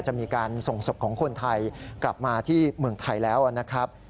จะมีการส่งศพของคนไทยกลับมาที่เมืองไทยแล้วนะครับ